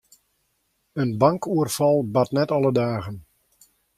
In bankoerfal bart net alle dagen.